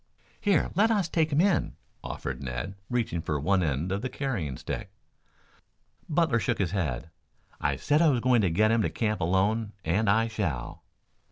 "Here, let us take him in," offered Ned, reaching for one end of the carrying stick. Butler shook his head. "I said I was going to get him to camp alone and I shall."